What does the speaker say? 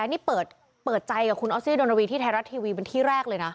นี่เปิดใจกับคุณออสรีเรียนะรุวีปที่แท้รัฐทีวีเป็นทีแรกเลยนะ